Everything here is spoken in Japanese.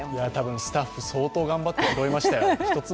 スタッフ、相当頑張ったと思いますよ。